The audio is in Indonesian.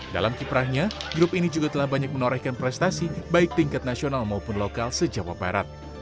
dalam kiprahnya grup ini juga telah banyak menorehkan prestasi baik tingkat nasional maupun lokal se jawa barat